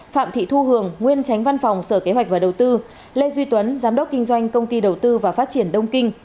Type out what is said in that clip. phạm thị thu hường nguyên tránh văn phòng sở kế hoạch và đầu tư lê duy tuấn giám đốc kinh doanh công ty đầu tư và phát triển đông kinh